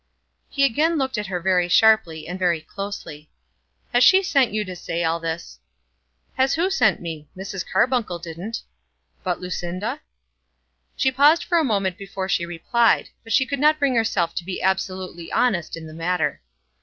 He again looked at her very sharply and very closely. "Has she sent you to say all this?" "Has who sent me? Mrs. Carbuncle didn't." "But Lucinda?" She paused for a moment before she replied; but she could not bring herself to be absolutely honest in the matter.